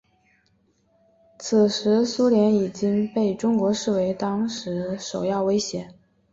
此时苏联已经被中国视为是当时首要威胁。